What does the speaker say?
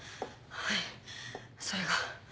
はいそれが。